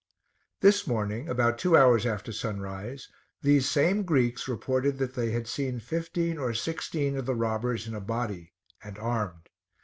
This morning, about two hours after sunrise, these same Greeks reported that they had seen fifteen or sixteen of the robbers in a body, and armed.